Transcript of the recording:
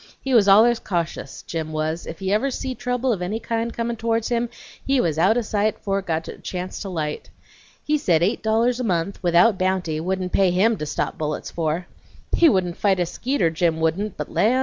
He was allers cautious, Jim was; if he ever see trouble of any kind comin' towards him, he was out o' sight fore it got a chance to light. He said eight dollars a month, without bounty, wouldn't pay HIM to stop bullets for. He wouldn't fight a skeeter, Jim wouldn't, but land!